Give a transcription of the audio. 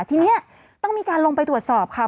ทีนี้ต้องมีการลงไปตรวจสอบค่ะ